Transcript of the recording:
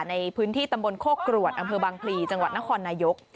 ในพื้นที่ตำบลโคกรวดอำเภอบางพลีจังหวัดนครนายก